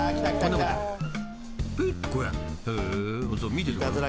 見ててください］